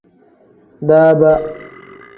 Daaba.